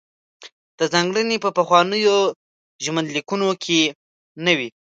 دا ځانګړنې په پخوانیو ژوندلیکونو کې نه وې.